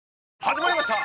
始まりました